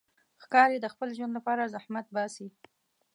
ښکاري د خپل ژوند لپاره زحمت باسي.